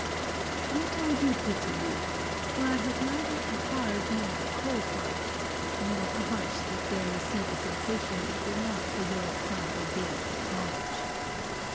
Yet I do pity you, for I have neither a hard nor a cold heart, nor a heart that dare receive a sensation it will not for your example dare to acknowledge.